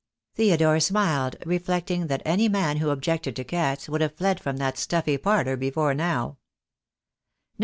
Theodore smiled, reflecting that any man who objected to cats would have fled from that stuffy parlour before now.